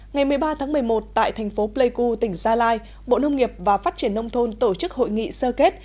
ngày một mươi ba tháng một mươi một tại thành phố pleiku tỉnh gia lai bộ nông nghiệp và phát triển nông thôn tổ chức hội nghị sơ kết